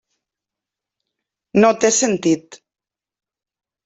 No té sentit.